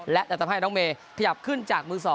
และจะทำให้น้องเมย์ขยับขึ้นจากมือ๒